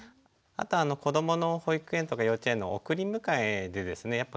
あとは子どもの保育園とか幼稚園の送り迎えでですね